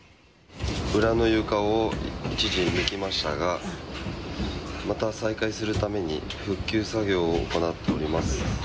裏の床を一時、抜きましたが、また再開するために、復旧作業を行っております。